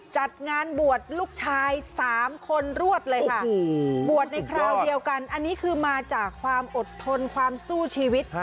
จัดงานบวชลูกชาย๓คนรวดเลยค่ะบวชในคราวเดียวกันอันนี้คือมาจากความอดทนความสู้ชีวิต